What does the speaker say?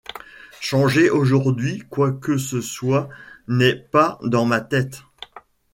Changer aujourd'hui quoi que ce soit n'est pas dans ma tête.